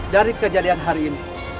dari kejadian hari ini